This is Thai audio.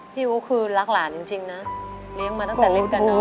อู๋คือรักหลานจริงนะเลี้ยงมาตั้งแต่เล่นกันเนอ